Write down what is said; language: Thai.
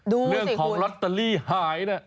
เรื่องของลอตเตอรี่หายนะ